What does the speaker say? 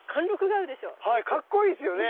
はいかっこいいですよね。